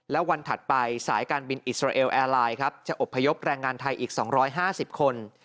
และวันถัดไปสายการบินอิสราเอลแอร์ไลน์ครับจะอบพยพแรงงานไทยอีก๒๕๐คน